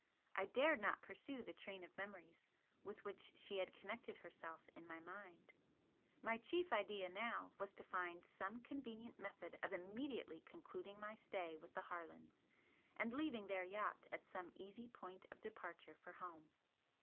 I dared not pursue the train of memories with which she had connected herself in my mind. My chief idea now was to find some convenient method of immediately concluding my stay with the Harlands and leaving their yacht at some easy point of departure for home.